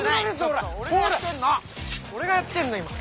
俺がやってんの今。